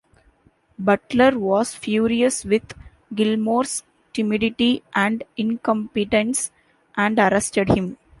Butler was furious with Gillmore's timidity and incompetence and arrested him.